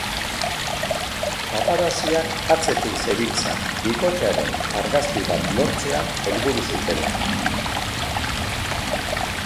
Paparazziak atzetik zebiltzan bikotearen argazki bat lortzea helburu zutela.